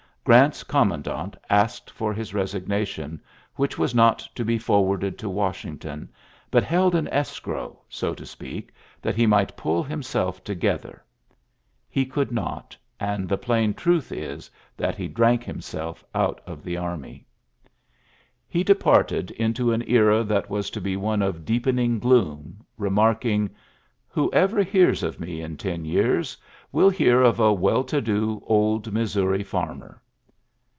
Grant^s commandant asked for his resig nation, which was not to be forwarded to Washington, but held in escrow, so to speak, that he might pull himself to gether. He could not, and the plain truth is that he drank himself out of the army. iiuiiuy v;ou 28 ULYSSES S. GBANT He departed into an era that wai be one of deepening gloom, remarkt "Whoever hears of me in ten y^ will hear of a well to do old Mi^ fermer.'